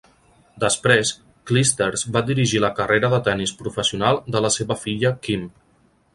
Després, Clijsters va dirigir la carrera de tennis professional de la seva filla Kim.